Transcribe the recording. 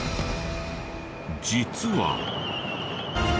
実は。